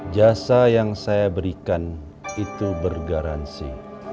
jasa yang saya berikan itu bergaransi